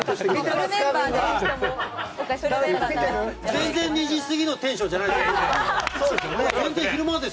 全然、２時過ぎのテンションじゃないので。